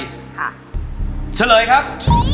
ค่ะเฉลยครับ